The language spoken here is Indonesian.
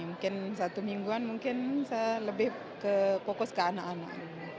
mungkin satu mingguan mungkin saya lebih fokus ke anak anak